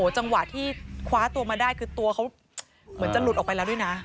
จังหวะที่คว้าตัวมาได้คือตัวเขาเหมือนจะหลุดออกไปแล้วด้วยนะ